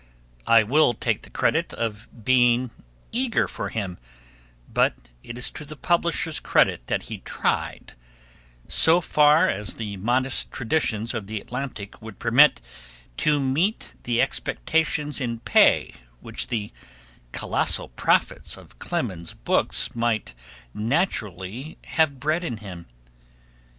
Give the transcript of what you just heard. I will take the credit of being eager for him, but it is to the publisher's credit that he tried, so far as the modest traditions of 'The Atlantic' would permit, to meet the expectations in pay which the colossal profits of Clemens's books might naturally have bred in him.